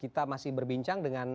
kita masih berbincang dengan